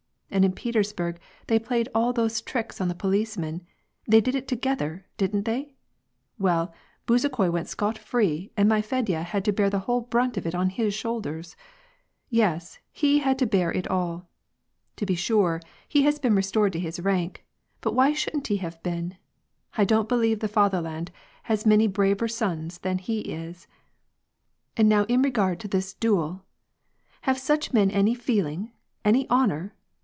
And in Petersburg, they played all those tricks on the policeman : they did it together, didn't they ? WeU, Bezukhoi went scot free, and my Fedya had to bear the whole brunt of it on his shoulders ! Yes, he had to bear it all I To be sure, he has been restored to his rank, but why shouldn't he have been ? I don't believe the fatherland has many braver sous than he is ! And now in regard to this duel ! Have such men any feeling, any honor